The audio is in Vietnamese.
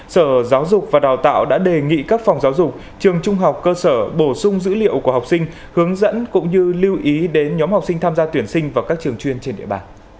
sở giáo dục và đào tạo đã đề nghị các phòng giáo dục trường trung học cơ sở bổ sung dữ liệu của học sinh hướng dẫn cũng như lưu ý đến nhóm học sinh tham gia tuyển sinh vào các trường chuyên trên địa bàn